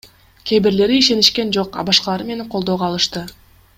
Кээ бирлери ишенишкен жок, а башкалары мени колдоого алышты.